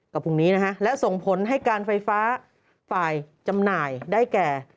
ก็พรุ่งนี้นะฮะและส่งผลให้การไฟฟ้าฝ่ายจำหน่ายได้แก่